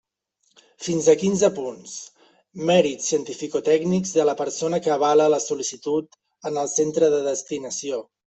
Fins a quinze punts: mèrits cientificotècnics de la persona que avala la sol·licitud en el centre de destinació.